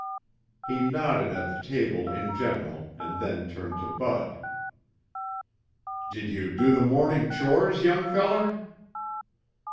He nodded at the table in general and then turned to Bud. "Did you do the morning chores, young feller?"